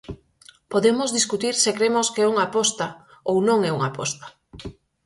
Podemos discutir se cremos que é unha aposta ou non é unha aposta.